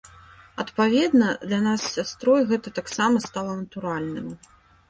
Адпаведна, для нас з сястрой гэта таксама стала натуральным.